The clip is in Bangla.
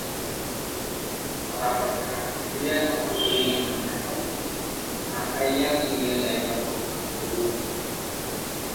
তারাপদ রাগ করিয়া কথা কহিল না এবং না খাইয়া চলিয়া যাইবার উপক্রম করিল।